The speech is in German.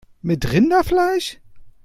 Mit Rinderfleisch!